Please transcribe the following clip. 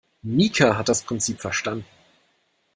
Mika hat das Prinzip verstanden.